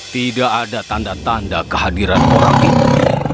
tidak ada tanda tanda kehadiran orang itu